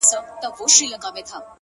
ما بيا وليدی ځان څومره پېروز په سجده کي’